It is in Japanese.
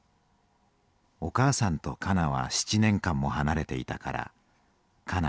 お母さんとかなは７年間もはなれていたからかな